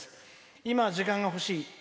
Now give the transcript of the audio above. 今、時間が欲しい。